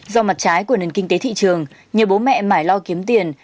do mặt trái của nền kinh tế thị trường nhiều bố mẹ lo kiếm tiền